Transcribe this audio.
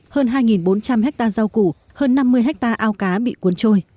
hơn hai bốn trăm linh hectare rau củ hơn năm mươi hectare ao cá bị cuốn trôi